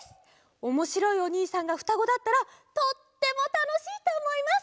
おもしろいおにいさんがふたごだったらとってもたのしいとおもいます！